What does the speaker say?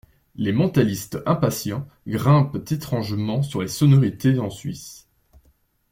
Les mentalistes impatients grimpent étrangement sur les sonorités en Suisse.